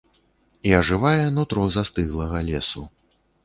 І ажывае нутро застыглага лесу.